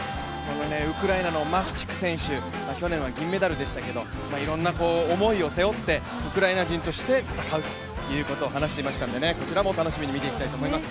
ウクライナの選手、去年は銀メダルでしたけれども、思いを背負って、ウクライナ人として戦うと言っていたのでこちらも楽しみに見ていきたいと思います。